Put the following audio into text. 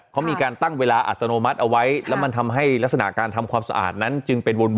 เขามีการตั้งเวลาอัตโนมัติเอาไว้แล้วมันทำให้ลักษณะการทำความสะอาดนั้นจึงเป็นบุญ